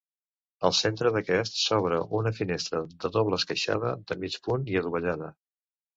Al centre d'aquest s'obre una finestra de doble esqueixada, de mig punt i adovellada.